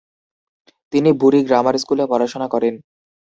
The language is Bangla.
তিনি বুরি গ্রামার স্কুলে পড়াশোনা করেন।